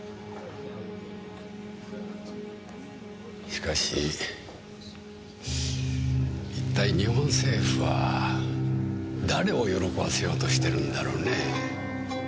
しかし一体日本政府は誰を喜ばせようとしてるんだろうね。